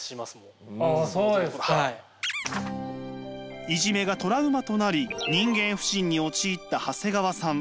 あそうですか。いじめがトラウマとなり人間不信に陥った長谷川さん。